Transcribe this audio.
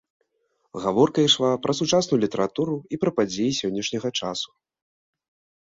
Гаворка ішла пра сучасную літаратуру і пра падзеі сённяшняга часу.